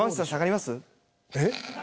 えっ？